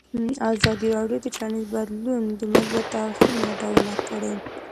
ازادي راډیو د ټولنیز بدلون د مثبتو اړخونو یادونه کړې.